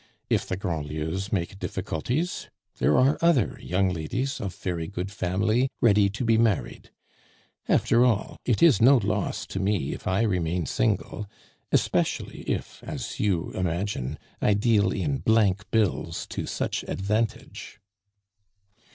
If the Grandlieus make difficulties, there are other young ladies of very good family ready to be married. After all, it is no loss to me if I remain single, especially if, as you imagine, I deal in blank bills to such advantage."